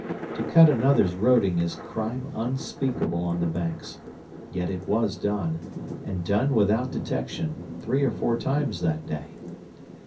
To cut another's roding is crime unspeakable on the Banks; yet it was done, and done without detection, three or four times that day.